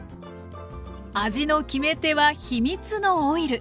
味の決め手は秘密のオイル。